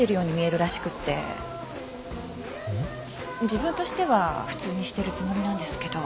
自分としては普通にしてるつもりなんですけど。